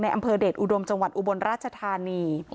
อำเภอเดชอุดมจังหวัดอุบลราชธานี